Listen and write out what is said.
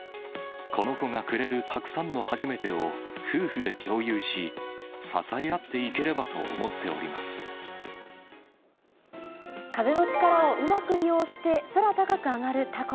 この子がくれるたくさんの初めてを夫婦で共有し、支え合っていけ風の力をうまく利用して、空高く揚がるたこ。